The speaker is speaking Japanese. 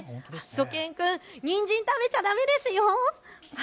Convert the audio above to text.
しゅと犬くんにんじん食べちゃだめですよ。